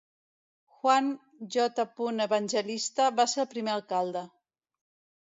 Juan J. Evangelista va ser el primer alcalde.